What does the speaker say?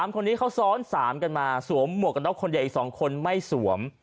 คนนี้เขาซ้อน๓กันมาสวมหมวกกันน็อกคนเดียวอีก๒คนไม่สวม